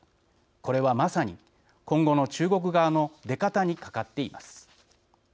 これは、まさに今後の中国側の出方にかかっています。